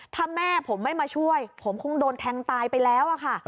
ถ้าแม่ผมไม่มาช่วยผมคงโดนแทงตายไปแล้วอะค่ะ